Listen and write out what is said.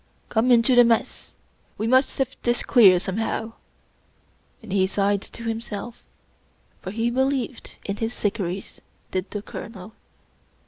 " Come into the Mess. We must sift this clear somehow," and he sighed to himself, for he believed in his " Shikarris," did the Colonel.